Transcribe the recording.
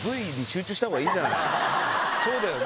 そうだよね。